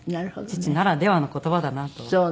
父ならではの言葉だなと。